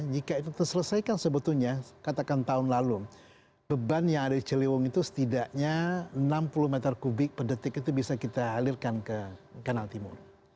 jika itu terselesaikan sebetulnya katakan tahun lalu beban yang ada di ciliwung itu setidaknya enam puluh meter kubik per detik itu bisa kita alirkan ke kanal timur